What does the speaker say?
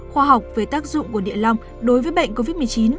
khoa học về tác dụng của địa long đối với bệnh covid một mươi chín